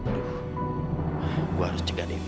gue harus jaga dewi